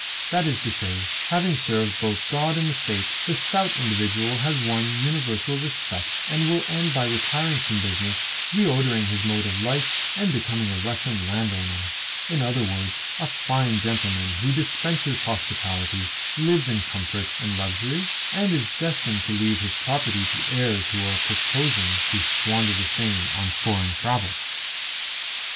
That is to say, having served both God and the State, the stout individual has won universal respect, and will end by retiring from business, reordering his mode of life, and becoming a Russian landowner in other words, a fine gentleman who dispenses hospitality, lives in comfort and luxury, and is destined to leave his property to heirs who are purposing to squander the same on foreign travel.